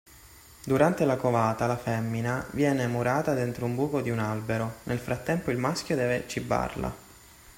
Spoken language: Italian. Durante la covata, la femmina, viene murata dentro un buco di un albero, nel frattempo il maschio deve cibarla.